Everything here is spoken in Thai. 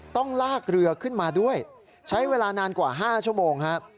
ต้องลากเรือขึ้นมาด้วยใช้เวลานานกว่า๕ชั่วโมงครับ